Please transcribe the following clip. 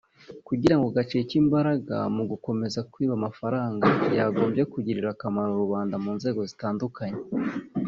kugirango gacike imbaraga mu gukomeza kwiba amafranga yagombye kugirira akamaro rubanda mu nzego zitandukanye